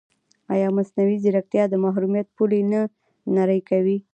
ایا مصنوعي ځیرکتیا د محرمیت پولې نه نری کوي؟